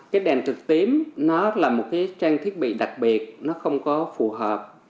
cái đèn thực tím nó là một trang thiết bị đặc biệt nó không có phù hợp